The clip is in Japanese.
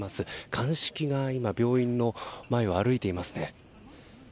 鑑識が今、病院の前を歩いていますね。